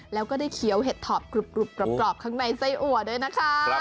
แล้วก็ได้เคี้ยวเห็ดถอบกรุบกรอบข้างในไส้อัวด้วยนะคะ